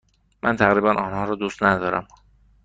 من تقریبا آنها را دوست ندارم.